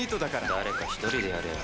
誰か１人でやれよ。